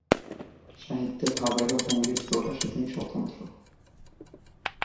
সাহিত্যে ভাবের ও ভঙ্গির প্রকাশে তিনি স্বতন্ত্র।